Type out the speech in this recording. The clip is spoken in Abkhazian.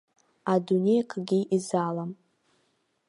Адунеи акгьы изалам.